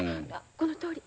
このとおり。